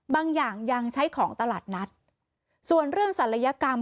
บางอย่างยังใช้ของตลาดนัดส่วนเรื่องศัลยกรรม